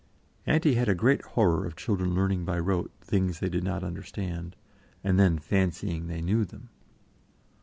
Auntie had a great horror of children learning by rote things they did not understand, and then fancying they knew them.